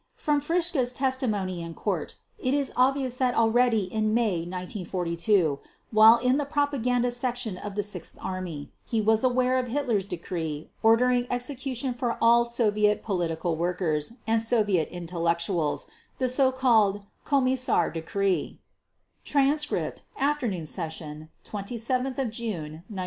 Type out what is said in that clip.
From Fritzsche's testimony in Court it is obvious that already in May 1942, while in the Propaganda Section of the 6th Army, he was aware of Hitler's decree ordering execution for all Soviet political workers and Soviet intellectuals, the so called "Commissar Decree" (Transcript, Afternoon Session, 27 June 1946).